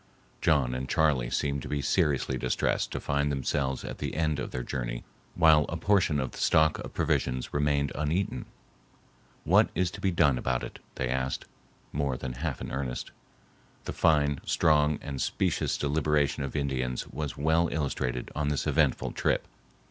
John and Charley seemed to be seriously distressed to find themselves at the end of their journey while a portion of the stock of provisions remained uneaten. "What is to be done about it?" they asked, more than half in earnest. The fine, strong, and specious deliberation of Indians was well illustrated on this eventful trip.